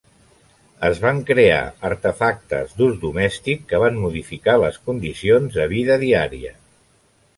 Es van crear artefactes d'ús domèstic que van modificar les condicions de vida diària.